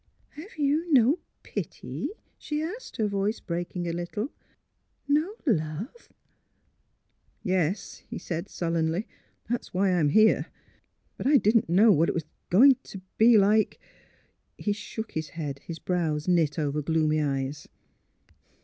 ''" Have you no — pity? " she asked, her voice breaking a little. " No — ^love? "" Yes," he said, sullenly. " That's why I'm here. But I didn't know what it was going to be like. ..." ON THE OLD KOAD 167 He shook Ms head, his brows knit over gloomy eyes.